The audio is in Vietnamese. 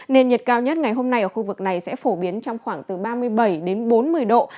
nền nhiệt cao nhất ngày hôm nay ở khu vực này sẽ phổ biến trong khoảng từ ba mươi bảy đến bốn mươi độ